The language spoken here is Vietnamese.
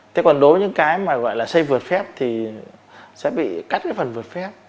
thế còn đối với những cái mà gọi là xây vượt phép thì sẽ bị cắt cái phần vượt phép